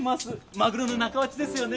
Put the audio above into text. マグロの中落ちですよね。